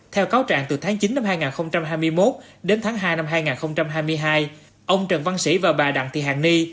theo cáo trạng từ tháng chín năm hai nghìn hai mươi một đến tháng hai năm hai nghìn hai mươi hai ông trần văn sĩ và bà đặng thị hàng ni